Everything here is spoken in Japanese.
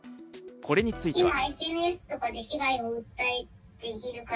これについては。